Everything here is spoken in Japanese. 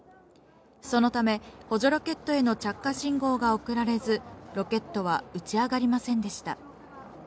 そのため、補助ロケットへの着火信号が送られず、ロケットは打ち上がりませんでした。